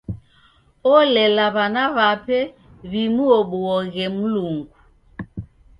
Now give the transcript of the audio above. Olela w'ana w'ape w'imuobuoghe Mlungu.